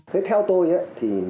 thế theo tôi